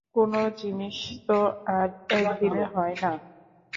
কোন জিনিষ তো আর একদিনে হয় না।